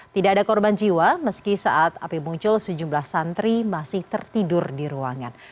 tidak ada korban jiwa meski saat api muncul sejumlah santri masih tertidur di ruangan